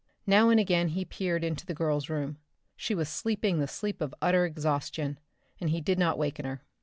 Now and again he peered into the girl's room. She was sleeping the sleep of utter exhaustion and he did not waken her.